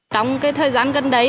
trong cái thời gian gần đấy